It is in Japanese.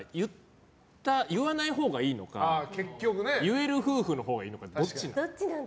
言わないほうがいいのか言える夫婦のほうがいいのかどっちなの？